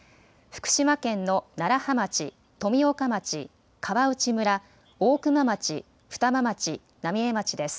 福島県の楢葉町、富岡町、川内村、大熊町、双葉町、浪江町です。